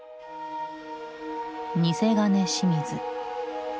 「偽金清水」。